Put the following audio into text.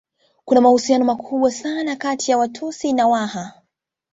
Kuna mahusiano makubwa sana kati ya Watusi na Waha